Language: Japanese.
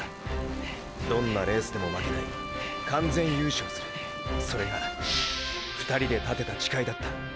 どんなレースでも負けない完全優勝するそれが２人で立てた誓いだった。